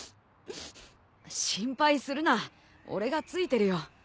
心配するな俺がついてるよ。